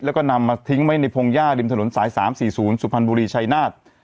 แล้วก็นำมาทิ้งไว้ในพงหญ้าริมถนนสาย๓๔๐สุพรรณบุรีชายนาฏ